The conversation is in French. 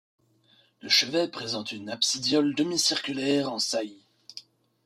Le chevet présente une absidiole demi-circulaire en saillie.